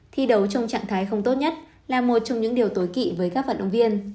thi đấu trong trạng thái không tốt nhất là một trong những điều tối kỵ với các vận động viên